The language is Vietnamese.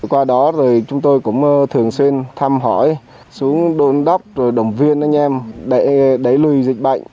qua đó rồi chúng tôi cũng thường xuyên thăm hỏi xuống đôn đốc rồi đồng viên anh em để lùi dịch bệnh